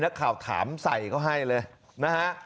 นักข่าวถามใส่เขาให้เลยนะฮะ